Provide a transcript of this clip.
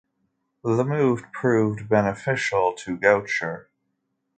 The move proved beneficial for Goucher.